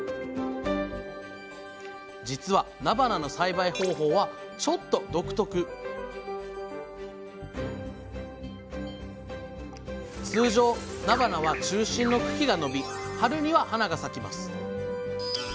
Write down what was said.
実はなばなの栽培方法はちょっと独特通常なばなは中心の茎が伸び春には花が咲きます。